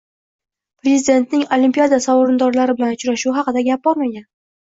Prezidentning olimpiada sovrindorlari bilan uchrashuvi haqida gap bormagan.